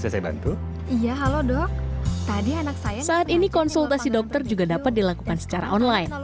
saat ini konsultasi dokter juga dapat dilakukan secara online